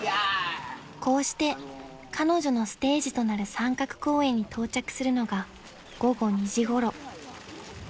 ［こうして彼女のステージとなる三角公園に到着するのが午後２時ごろ］